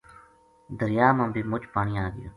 دریا ما بے مُچ پانی آگیو